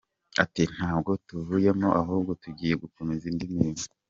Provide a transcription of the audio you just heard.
Ati “Ntabwo tuvuyemo ahubwo tugiye gukomeza indi mirimo.